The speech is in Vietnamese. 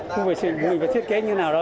khu vệ sinh mình phải thiết kế như nào đó